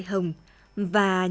cám ơn các bạn